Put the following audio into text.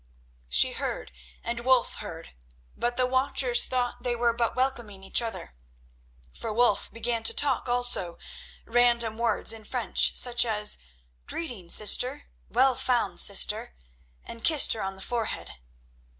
She heard and Wulf heard, but the watchers thought that they were but welcoming each other, for Wulf began to talk also, random words in French, such as "Greeting, sister!" "Well found, sister!" and kissed her on the forehead.